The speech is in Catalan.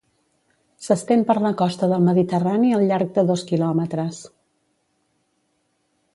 S'estén per la costa del Mediterrani al llarg de dos quilòmetres.